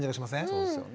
そうですよね。